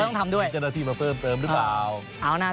ต้องทำด้วยมีเจ้าหน้าที่มาเพิ่มเติมหรือเปล่า